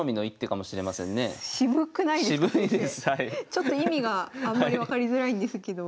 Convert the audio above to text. ちょっと意味があんまり分かりづらいんですけど。